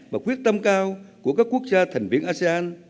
và quyết tâm cao của các quốc gia thành viên asean